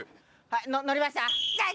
はいのりました。